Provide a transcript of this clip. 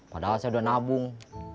padahal saya udah nabung